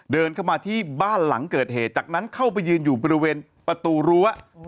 เดินเข้ามาที่บ้านหลังเกิดเหตุจากนั้นเข้าไปยืนอยู่บริเวณประตูรั้ว